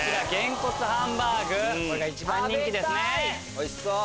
おいしそう。